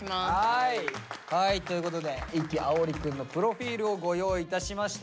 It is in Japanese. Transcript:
ということで壹岐碧くんのプロフィールをご用意いたしました。